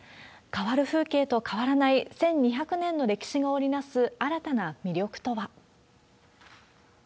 変わる風景と変わらない１２００年の歴史が織り成す新たな魅力とは。